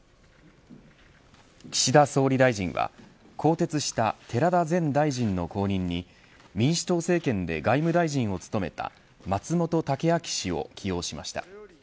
岸田総理大臣は更迭した寺田前大臣の後任に民主党政権で外務大臣を務めた松本剛明氏を起用しました。